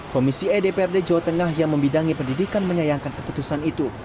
komisi edprd jawa tengah yang membidangi pendidikan menyayangkan keputusan itu